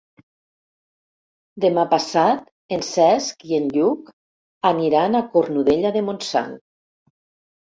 Demà passat en Cesc i en Lluc aniran a Cornudella de Montsant.